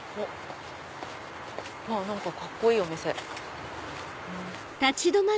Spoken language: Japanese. カッコいいお店。